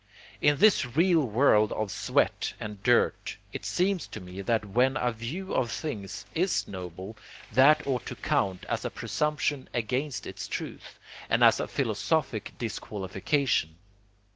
In this real world of sweat and dirt, it seems to me that when a view of things is 'noble,' that ought to count as a presumption against its truth, and as a philosophic disqualification.